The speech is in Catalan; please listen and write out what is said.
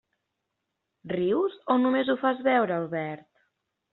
Rius o només ho fas veure, Albert?